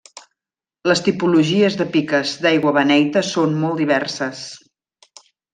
Les tipologies de piques d'aigua beneita són molt diverses.